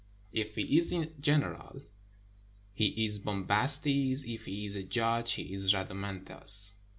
If he is a general, he is Bombastes ; if he is a judge, he is Rhadamanthus.